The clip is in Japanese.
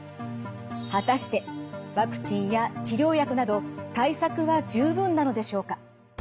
果たしてワクチンや治療薬など対策は十分なのでしょうか？